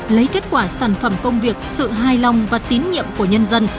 lấy kết quả sản phẩm công việc sự hài lòng và tín nhiệm của nhân dân